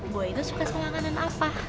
boy tuh suka selakanan apa